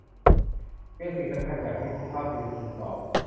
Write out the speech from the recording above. เพียงสิ่งสำคัญจากนี้ สุภาพบุรุษหนุ่มตอบ